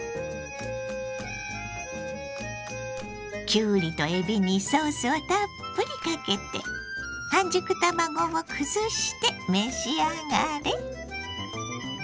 きゅうりとえびにソースをたっぷりかけて半熟卵をくずして召し上がれ！